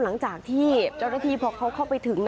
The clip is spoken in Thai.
หลังจากที่เจ้าหน้าที่พอเขาเข้าไปถึง